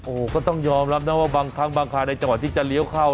โอ้โหก็ต้องยอมรับนะว่าบางครั้งบางคราวในจังหวัดที่จะเลี้ยวเข้า